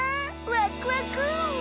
わっくわく！